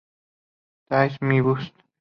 That's My Bush!